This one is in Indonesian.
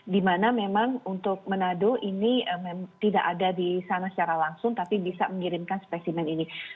di mana memang untuk menado ini tidak ada di sana secara langsung tapi bisa mengirimkan spesimen ini